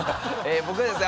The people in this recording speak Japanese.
僕ですね